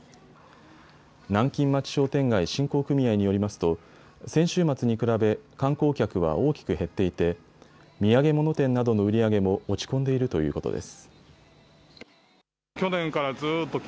南京町商店街振興組合によりますと先週末に比べ、観光客は大きく減っていて土産物店などの売り上げも落ち込んでいるということです。